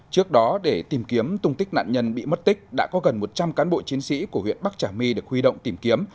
trước đó để tìm kiếm tung tích nạn nhân bị mất tích đã có gần một trăm linh cán bộ chiến sĩ của huyện bắc trà my được huy động tìm kiếm